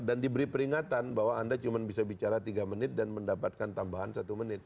dan diberi peringatan bahwa anda cuma bisa bicara tiga menit dan mendapatkan tambahan satu menit